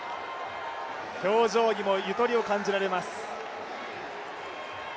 表情にもゆとりを感じられます。